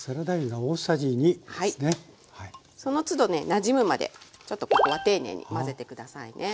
そのつどなじむまでちょっとここは丁寧に混ぜて下さいね。